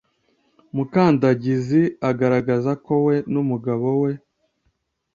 Mukandangizi agaragaza ko we n’umugabo we